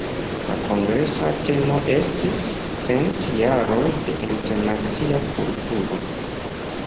La kongresa temo estis "Cent jaroj de internacia kulturo".